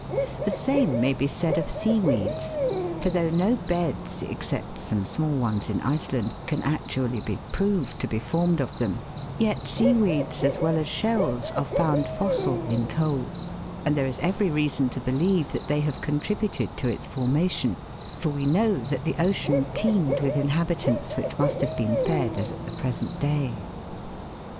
The same may be said of seaweeds ; for though no beds, except some small ones in Iceland, can actually be proved to be formed of them, yet seaweeds, as well as shells, are found fossil in coal, and there is every reason to believe that they have contributed to its formation, for we know that the ocean teemed with inhabitants which must have been fed as at the present day.